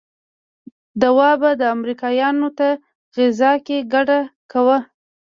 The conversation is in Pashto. دوا به امريکايانو ته غذا کې ګډه کو.